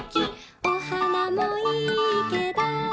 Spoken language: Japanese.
「お花もいいけど」